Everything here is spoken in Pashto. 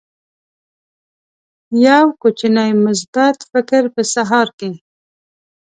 یو کوچنی مثبت فکر په سهار کې